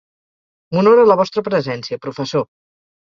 M'honora la vostra presència, professor.